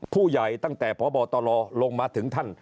ผู้ใหญ่ตั้งแต่พบตรลงมาถึงท่าน